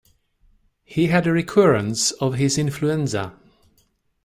He had a recurrence of his influenza.